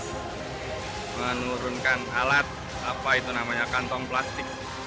terus menurunkan alat apa itu namanya kantong plastik